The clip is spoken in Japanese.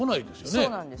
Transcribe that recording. そうなんです。